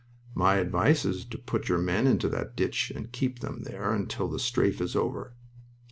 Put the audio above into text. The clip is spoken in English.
"My advice is to put your men into that ditch and keep them there until the strafe is over."